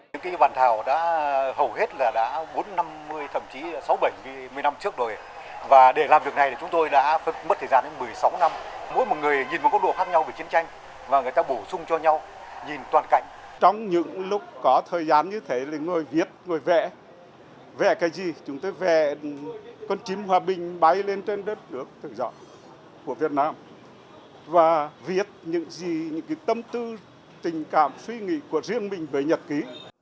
con chim hòa bình bay lên trên đất nước thực dọng của việt nam và viết những gì những tâm tư tình cảm suy nghĩ của riêng mình về nhật ký